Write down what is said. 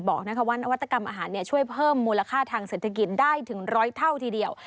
บอกว่านวัตกรรมอาหารช่วยเพิ่มมูลค่าทางเศรษฐกิจได้ถึงร้อยเท่าทีเดียว